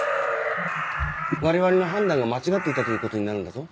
我々の判断が間違っていたということになるんだぞ？